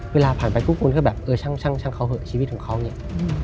เวลาผ่านไปปุ๊บคุณก็แบบเออช่างเขาเหอะชีวิตของเขาเนี่ย